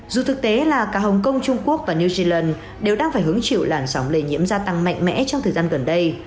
dù thực tế là cả hồng kông trung quốc và new zealand đều đang phải hứng chịu làn sóng lây nhiễm gia tăng mạnh mẽ trong thời gian gần đây